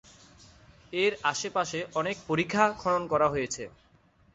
এর আশে পাশে অনেক পরিখা খনন করা হয়েছে।